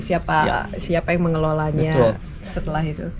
siapa yang mengelolanya setelah itu